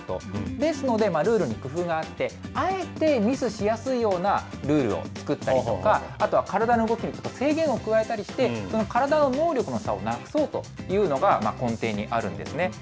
ですので、ルールに工夫があって、あえてミスしやすいようなルールを作ったりとか、あとは体の動きに制限を加えたりして、その体の能力の差をなくそうというのが根底にあるんですね。